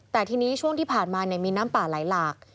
แต่ทีนี้ช่วงที่ผ่านมามีน้ำป่าไหลหลาก